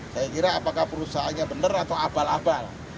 saya kira apakah perusahaannya benar atau abal abal